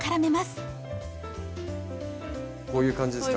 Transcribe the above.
こういう感じですか？